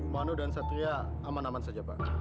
manu dan satunya aman aman saja pak